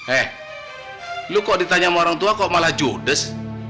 eh lu kok ditanya sama orang tua kok malah judes